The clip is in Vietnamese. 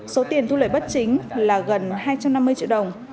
số tiền thu lợi bất chính là gần hai trăm năm mươi triệu đồng